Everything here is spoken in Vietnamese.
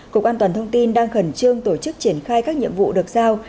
cục an toàn thông tin đang khẩn trương tổ chức triển khai các nhiệm vụ được giao